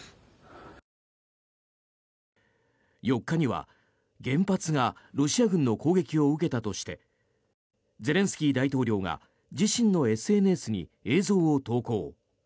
４日には原発がロシア軍の攻撃を受けたとしてゼレンスキー大統領が自身のＳＮＳに映像を投稿。